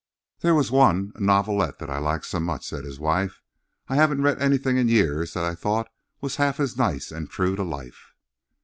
"There was one—a novelette, that I liked so much," said his wife. "I haven't read anything in years that I thought was half as nice and true to life."